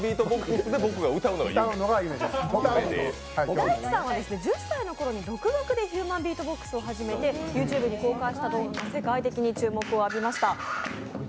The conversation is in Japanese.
Ｄａｉｃｈｉさんは１０歳のときに独学でヒューマンビートボックスを始めてＹｏｕＴｕｂｅに公開した動画が世界的に注目を浴びました。